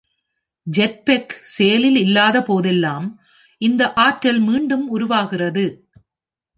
Jet pack செயலில் இல்லாத போதெல்லாம் இந்த ஆற்றல் மீண்டும் உருவாகிறது.